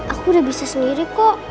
aku udah bisnis sendiri kok